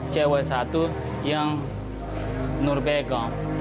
cewek satu yang nurbekom